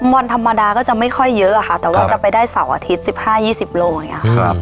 วันธรรมดาก็จะไม่ค่อยเยอะค่ะแต่ว่าจะไปได้เสาร์อาทิตย์๑๕๒๐โลอย่างนี้